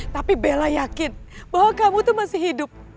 tapi bella yakin bahwa kamu itu masih hidup